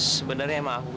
sebenarnya emang aku